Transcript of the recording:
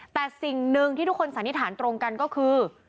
แต่สิ่งหนึ่งที่ทุกคนสันนิษฐานตรงกันก็คือ